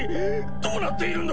どうなっているんだ！